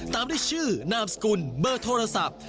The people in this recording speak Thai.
ตามด้วยชื่อนามสกุลเบอร์โทรศัพท์